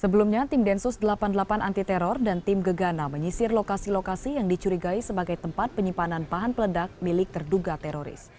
sebelumnya tim densus delapan puluh delapan anti teror dan tim gegana menyisir lokasi lokasi yang dicurigai sebagai tempat penyimpanan bahan peledak milik terduga teroris